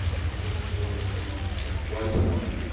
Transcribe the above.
Ur asent-d-ssewwayeɣ.